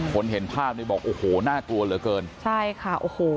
เห็นภาพนี้บอกโอ้โหน่ากลัวเหลือเกินใช่ค่ะโอ้โห